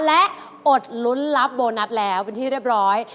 และอดลุ้นรับโบนัสแล้วเป็นที่เรียบร้อย